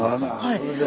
それで。